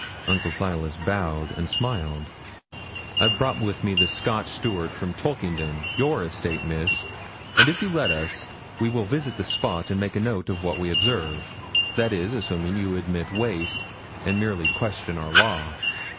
Uncle Silas bowed and smiled. 'I've brought with me the Scotch steward from Tolkingden, your estate, Miss, and if you let us we will visit the spot and make a note of what we observe, that is, assuming that you admit waste, and merely question our law.'